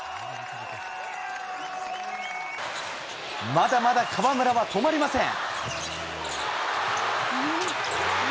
まだまだ河村は止まりません。